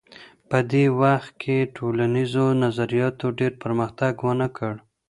په دې وخت کي ټولنیزو نظریاتو ډېر پرمختګ ونه کړ.